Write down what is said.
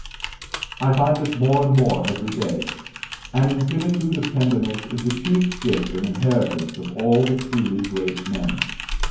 I find this more and more every day: an infinitude of tenderness is the chief gift and inheritance of all the truly great men.